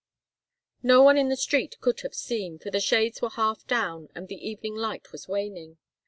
No one in the street could have seen, for the shades were half down and the evening light was waning.